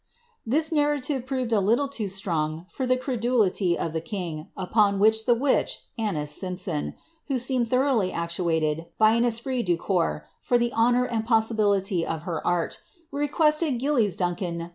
This narrative proved a little too strong for the credulity of the king, upon which the witch, Annis Simpson, who seemed thoroughly actuated by an esprit du carps for the honour and possibility of her art, requested Gillies Duncan might ' Sir James Melville's Memoirs, p. 395.